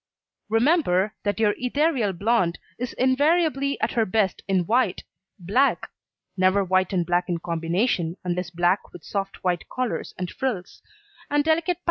Remember that your ethereal blond is invariably at her best in white, black (never white and black in combination unless black with soft white collars and frills) and delicate pastel shades.